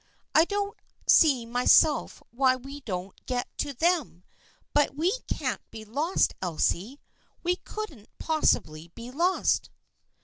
" I don't see myself why we don't get to them, but we can't be lost, Elsie. We couldn't possibly be lost."